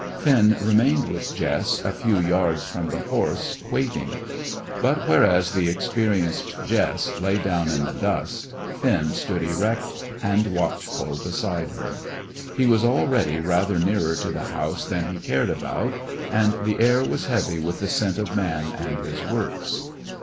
Finn remained with Jess, a few yards from the horse, waiting; but whereas the experienced Jess lay down in the dust, Finn stood erect and watchful beside her. He was already rather nearer to the house than he cared about; and the air was heavy with the scent of man and his works.